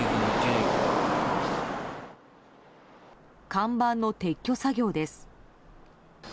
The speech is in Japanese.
看板の撤去作業です。